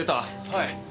はい。